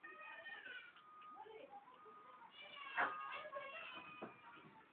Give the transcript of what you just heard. تو مہ شا وے°پیلاویباہ؟